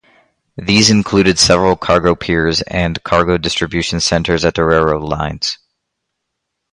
These included several cargo piers and cargo distribution centers at the railroad lines.